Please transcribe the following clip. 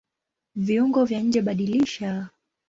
Viungo vya njeBadilisha